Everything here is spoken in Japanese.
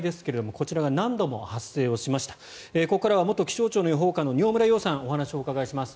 ここからは元気象庁予報官の饒村曜さんにお話を伺います。